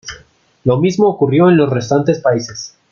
Lo mismo ocurrió en los restantes países.